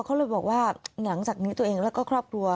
เขาเลยบอกว่าหลังจากนี้ตัวเองแล้วก็ครอบครัว